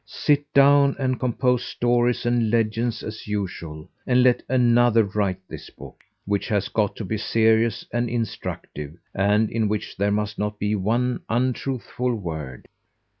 Sit down and compose stories and legends, as usual, and let another write this book, which has got to be serious and instructive, and in which there must not be one untruthful word."